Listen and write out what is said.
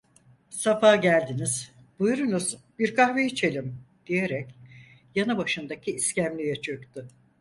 "Safa geldiniz! Buyurunuz bir kahve içelim!" diyerek, yanıbaşındaki iskemleye çöktü.